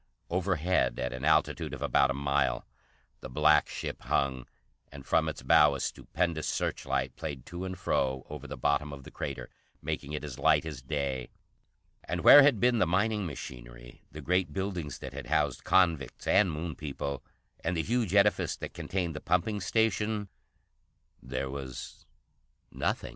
Overhead, at an altitude of about a mile, the black ship hung, and from its bow a stupendous searchlight played to and fro over the bottom of the crater, making it as light as day. And where had been the mining machinery, the great buildings that had housed convicts and Moon people, and the huge edifice that contained the pumping station, there was nothing.